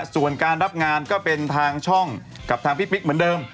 ส่วนการรับงานก็เป็นทางช่องกับทางพี่ปิ๊กเหมือนเดิม